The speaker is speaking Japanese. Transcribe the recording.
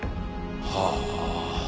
はあ。